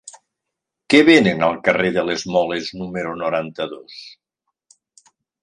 Què venen al carrer de les Moles número noranta-dos?